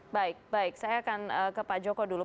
baik baik saya akan ke pak joko dulu